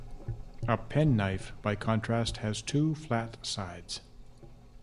A "pen" knife by contrast has two flat sides.